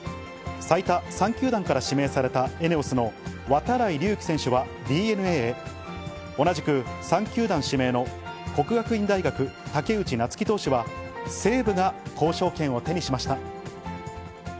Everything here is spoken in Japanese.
最多３球団から指名されたエネオスの度会隆輝選手はＤｅＮＡへ、同じく３球団指名の國學院大學の武内夏暉投手は、西武が交渉権を手にしました。